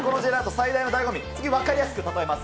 最大のだいご味、次、分かりやすく例えます。